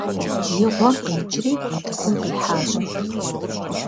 И гъуэм къикӀри утыкум къихьащ.